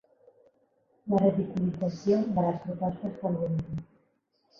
La ridiculització de les propostes del govern.